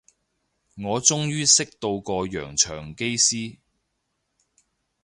我終於識到個洋腸機師